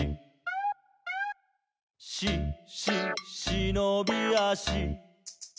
「し・し・しのびあし」